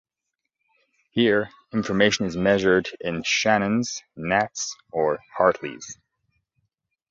Here, information is measured in shannons, nats, or hartleys.